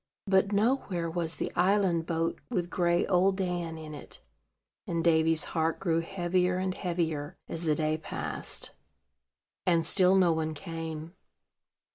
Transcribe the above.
But nowhere was the island boat with gray Old Dan in it; and Davy's heart grew heavier and heavier, as the day passed, and still no one came.